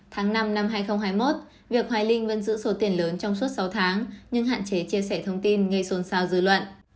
tháng năm năm hai nghìn hai mươi một việc hoài linh vẫn giữ số tiền lớn trong suốt sáu tháng nhưng hạn chế chia sẻ thông tin gây xôn xao dư luận